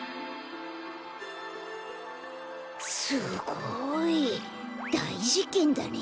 すごい。だいじけんだね。